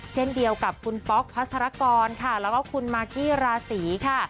เช่นเดียวกับคุณป๊อกพัศรกรค่ะแล้วก็คุณมากกี้ราศีค่ะ